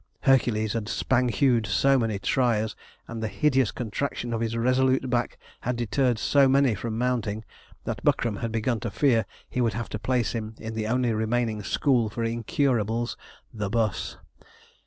Hercules had 'spang hewed' so many triers, and the hideous contraction of his resolute back had deterred so many from mounting, that Buckram had begun to fear he would have to place him in the only remaining school for incurables, the 'bus.